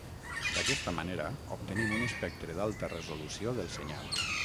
D'aquesta manera obtenim un espectre d'alta resolució del senyal.